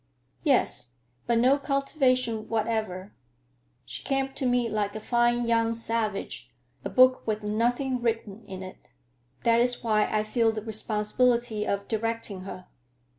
"Yes; but no cultivation whatever. She came to me like a fine young savage, a book with nothing written in it. That is why I feel the responsibility of directing her."